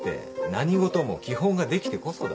何事も基本ができてこそだ。